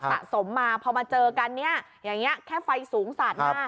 สะสมมาพอมาเจอกันเนี่ยอย่างนี้แค่ไฟสูงสาดหน้า